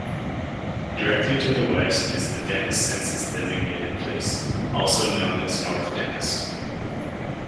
Directly to the west is the Dennis census-designated place, also known as "North Dennis".